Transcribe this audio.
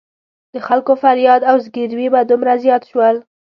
د خلکو فریاد او زګېروي به دومره زیات شول.